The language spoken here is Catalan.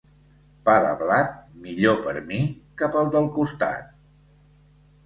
Pa de blat, millor per mi que pel del costat.